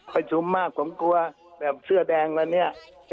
ค่อยทุ่มมากผมกลัวแบบเสื้อแดงแล้วนี่